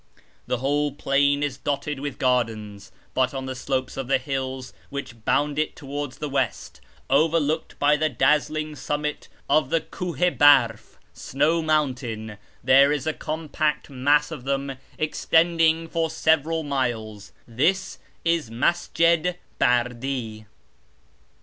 The whole plain is dotted with gardens, but on the slopes of the hills which bound it towards the west, overlooked by the dazzling summit of the Kuh i Barf (" Snow Mountain "), there is a compact mass of them extending for several miles. This is Masjid Bardi.